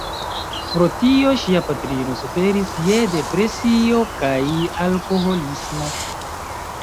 Pro tio, ŝia patrino suferis je depresio kaj alkoholismo.